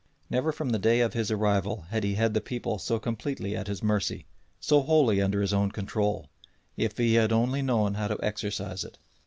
Never from the day of his arrival had he had the people so completely at his mercy, so wholly under his own control, if he had only known how to exercise it.